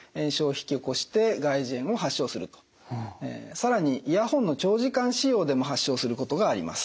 更にイヤホンの長時間使用でも発症することがあります。